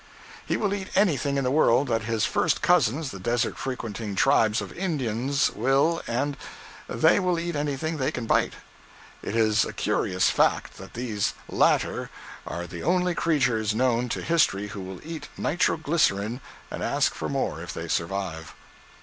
He will eat anything in the world that his first cousins, the desert frequenting tribes of Indians will, and they will eat anything they can bite. It is a curious fact that these latter are the only creatures known to history who will eat nitro glycerine and ask for more if they survive.